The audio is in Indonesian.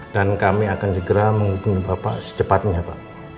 dan kami akan segera menghubungi bapak secepatnya pak